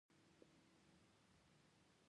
ملاریا د یو ډول مچ په واسطه انسان ته لیږدول کیږي